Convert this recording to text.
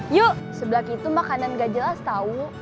yuk sebelak itu makanan gak jelas tahu